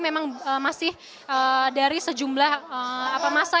memang masih dari sejumlah masa